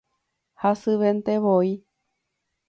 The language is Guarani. Hasyventevoi